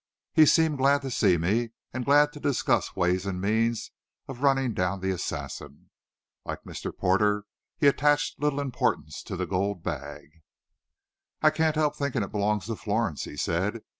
He seemed glad to see me, and glad to discuss ways and means of running down the assassin. Like Mr. Porter, he attached little importance to the gold bag. "I can't help thinking it belongs to Florence," he said.